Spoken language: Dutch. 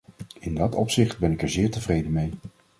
In dat opzicht ben ik er zeer tevreden mee.